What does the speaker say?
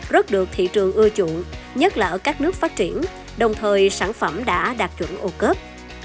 rất được thị trường ưa chuộng nhất là ở các nước phát triển đồng thời sản phẩm đã đạt chuẩn ô cớp